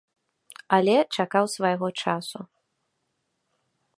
Але чакаў свайго часу.